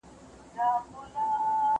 کتاب ستاسو لارښود دی.